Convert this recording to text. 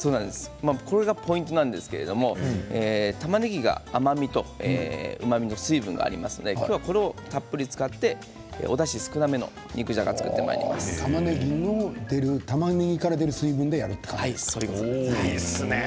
これがポイントなんですけれどもたまねぎは甘みとうまみの水分がありますので今日はこれをたっぷり使っておだし少なめの肉じゃがをたまねぎから出る水分でそうです。